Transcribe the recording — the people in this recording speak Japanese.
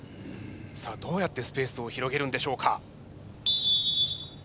さあどうやってスペースを広げるんでしょうか？